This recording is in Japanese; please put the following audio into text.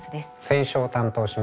選書を担当します